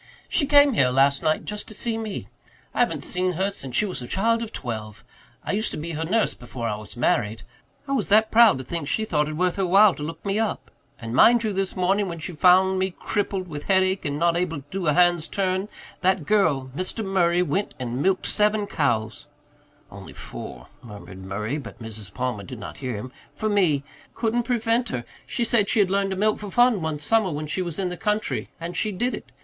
"She came here last night just to see me. I haven't seen her since she was a child of twelve. I used to be her nurse before I was married. I was that proud to think she thought it worth her while to look me up. And, mind you, this morning, when she found me crippled with headache and not able to do a hand's turn, that girl, Mr. Murray, went and milked seven cows" "only four," murmured Murray, but Mrs. Palmer did not hear him "for me. Couldn't prevent her. She said she had learned to milk for fun one summer when she was in the country, and she did it.